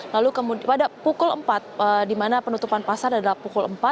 lalu pada pukul empat di mana penutupan pasar adalah pukul empat